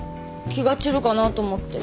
気が散るかなと思って。